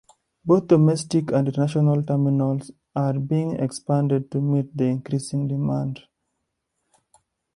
Both domestic and international terminal are being expanded to meet the increasing demand.